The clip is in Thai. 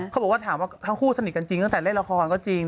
เขาบอกว่าถามว่าทั้งคู่สนิทกันจริงตั้งแต่เล่นละครก็จริง